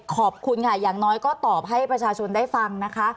ขอบคุณค่ะอย่างน้อยก็ตอบให้ประชาชนได้ฟังนะคะ